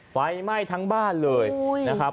ไฟไหม้ทั้งบ้านเลยนะครับ